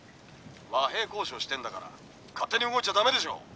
和平交渉してんだから勝手に動いちゃダメでしょう」。